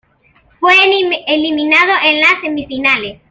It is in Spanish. Fue eliminado en las semifinales.